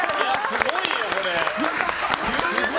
すごいよ、これ。